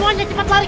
jangan dimapép ari